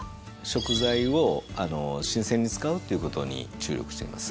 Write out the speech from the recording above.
食材を新鮮に使うっていうことに注力しています。